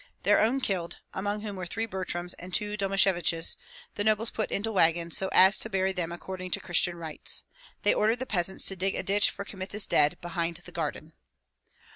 Their own killed, among whom were three Butryms and two Domasheviches, the nobles put into wagons, so as to bury them according to Christian rites. They ordered the peasants to dig a ditch for Kmita's dead behind the garden.